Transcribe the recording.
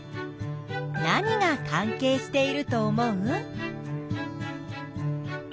何が関係していると思う？